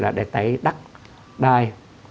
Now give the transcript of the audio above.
là để tẩy đắt đai